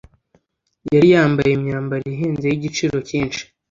yari yambaye imyambaro ihenze y’igiciro cyinshi,